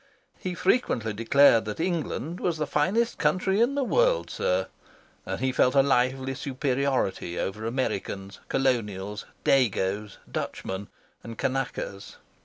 He frequently declared that England was the finest country in the world, sir, and he felt a lively superiority over Americans, Colonials, Dagos, Dutchmen, and Kanakas.